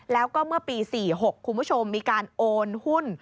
แล้วก็เมื่อปี๔๖คุณผู้ชมมีการโอนหุ้น